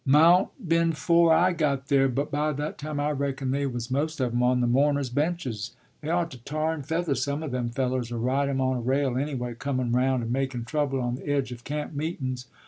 “Mought been 'fore I got there. But by that time I reckon they was most of 'em on the mourners' benches. They ought to tar and feather some of them fellers, or ride 'em on a rail anyway, comun' round, and makun' trouble on the edge of camp meetun's.